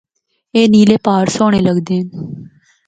اے نیلے پہاڑ سہنڑے لگدے ہن۔